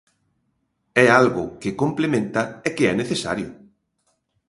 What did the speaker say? É algo que complementa e que é necesario.